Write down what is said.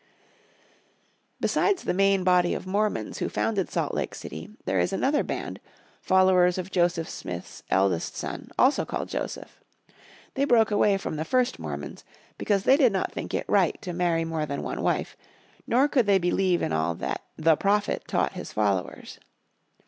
Besides the main body of Mormons who founded Salt Lake City there is another band, followers of Joseph Smith's eldest son also called Joseph. They broke away from the first Mormons because they did not think it right to marry more than one wife, nor could they believe in all that "the prophet" taught his followers.